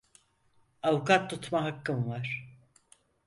Avukat tutma hakkın var.